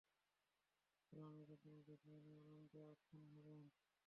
ফিওরনেরের যন্ত্রণা দেখে উনি আনন্দে আটখানা হবেন।